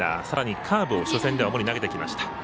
さらにカーブを初戦では投げてきました。